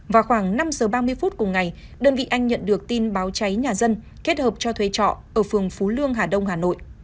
vào khoảng năm giờ ba mươi phút cùng ngày đơn vị anh nhận được tin báo cháy nhà dân kết hợp cho thuê trọ ở phường phú lương hà đông hà nội